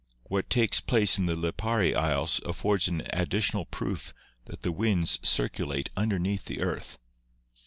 What takes place in the Lipari Isles affords an additional proof that the winds circulate underneath the earth."